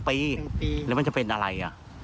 ๑ปีหรือมันจะเป็นอะไร